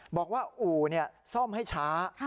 บอกว่าอู่ซ่อมให้ช้า